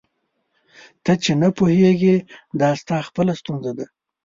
ته چي نه پوهېږې دا ستا خپله ستونزه ده.